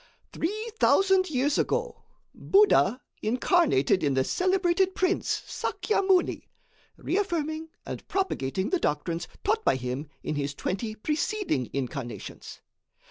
Three thousand years ago, Buddha incarnated in the celebrated Prince Sakya Muni, reaffirming and propagating the doctrines taught by him in his twenty preceding incarnations.